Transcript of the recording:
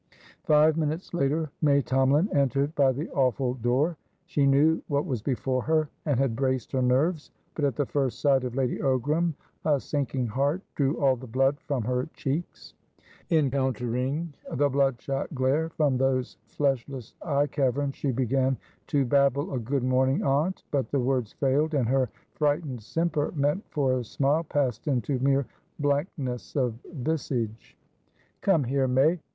Five minutes later, May Tomalin entered by the awful door. She knew what was before her, and had braced her nerves, but at the first sight of Lady Ogram a sinking heart drew all the blood from her checks. Encountering the bloodshot glare from those fleshless eye caverns, she began to babble a "Good morning, aunt!" But the words failed, and her frightened simper, meant for a smile, passed into mere blankness of visage. "Come here, May.